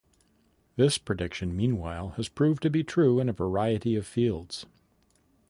This prediction meanwhile has proved to be true in a variety of fields.